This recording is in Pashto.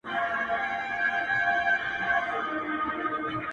د وخت مجنون يم ليونى يمه زه؛